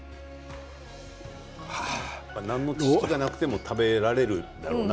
何の知識もなくても食べられるだろうな